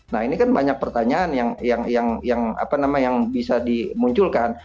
nah ini kan banyak pertanyaan yang bisa dimunculkan